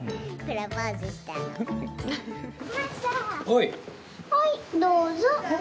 はい、どうぞ。